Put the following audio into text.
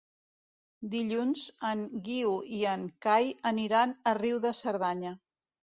Dilluns en Guiu i en Cai aniran a Riu de Cerdanya.